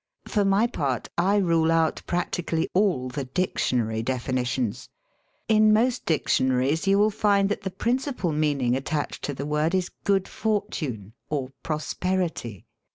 For my part, I rule out prac tically all the dictionary definitions. In most dic tionaries you will find that the principal meaning attached to the word is "good fortune" or "pros perity."